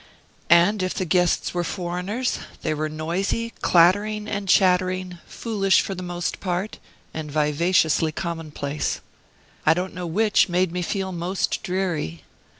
And if the guests were foreigners, they were noisy, clattering, and chattering, foolish for the most part, and vivaciously commonplace. I don't know which made me feel most dreary.